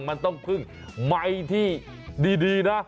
มันต้องพึ่งไมค์ที่ดีนะ